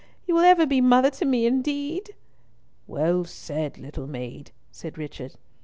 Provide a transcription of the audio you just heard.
You will ever be mother to me indeed!" "Well said, little maid!" said Richard.